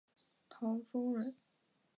陶弼人。